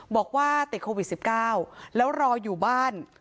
บอกว่าติดโควิด๑๙แล้วรออยู่บ้าน